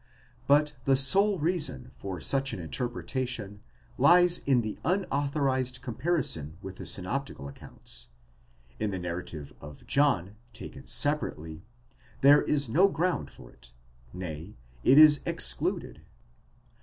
® But the sole reason for such an interpretation lies in the unauthorized comparison with the synoptical accounts: in the narrative of John, taken separately, there is no ground for it, nay, itis excluded.